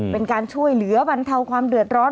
เป็นการช่วยเหลือบรรเทาความเดือดร้อน